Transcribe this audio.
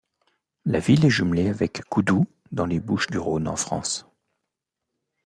La ville est jumelée avec Coudoux, dans les Bouches-du-Rhône, en France.